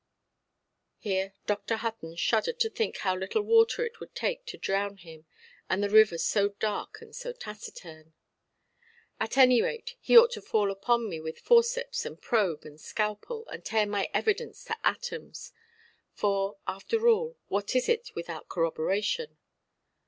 Here Dr. Hutton shuddered to think how little water it would take to drown him, and the river so dark and so taciturn! "At any rate, he ought to fall upon me with forceps, and probe, and scalpel, and tear my evidence to atoms. For, after all, what is it, without corroboration?